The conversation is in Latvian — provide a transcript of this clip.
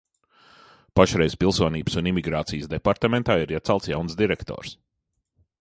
Pašreiz Pilsonības un imigrācijas departamentā ir iecelts jauns direktors.